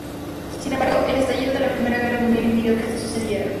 Sin embargo, el estallido de la Primera Guerra Mundial impidió que esto sucediera.